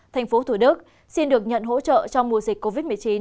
thành phố thủ đức xin được nhận hỗ trợ trong mùa dịch covid một mươi chín